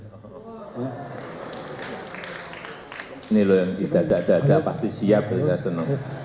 ini lo yang di dada dada pasti siap ya seno